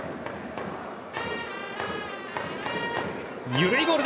緩いボール！